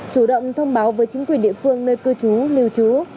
chủ động thông báo với chính quyền địa phương nơi cư trú lưu trú